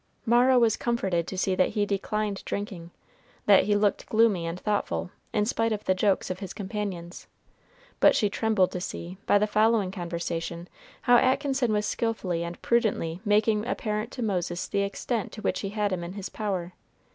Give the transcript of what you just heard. Mara was comforted to see that he declined drinking, that he looked gloomy and thoughtful, in spite of the jokes of his companions; but she trembled to see, by the following conversation, how Atkinson was skillfully and prudently making apparent to Moses the extent to which he had him in his power.